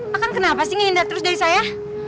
kang kang kenapa sih ngindah terus dari saya